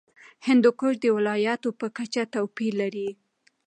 هندوکش د ولایاتو په کچه توپیر لري.